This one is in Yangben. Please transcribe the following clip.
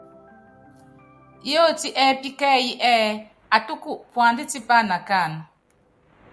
Yóótí ɛ́ɛ́pí kɛ́ɛ́yí ɛ́ɛ́: Atúkɔ, puandá tipá anakáánɛ́.